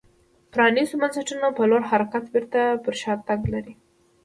پرانیستو بنسټونو په لور حرکت بېرته پر شا تګ لري